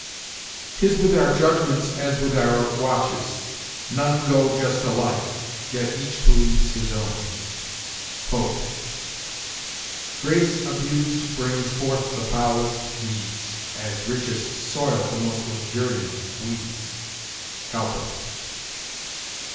"'Tis with our judgments as with our watches; none Go just alike, yet each believes his own." Pope. "Grace abused brings forth the foulest deeds, As richest soil the most luxuriant weeds." Cowper.